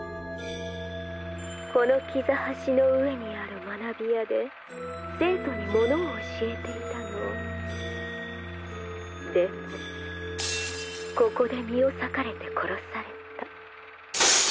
☎この階の上にある学び舎で☎生徒にものを教えていたの☎でもここで身を裂かれて殺された